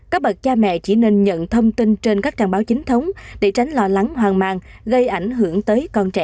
các bậc cha mẹ chỉ nên nhận thông tin trên các trang báo chính thống để tránh lo lắng hoang mang gây ảnh hưởng tới con trẻ